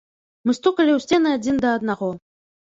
Мы стукалі ў сцены адзін да аднаго.